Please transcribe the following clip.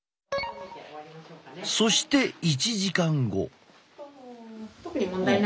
そして１時間後。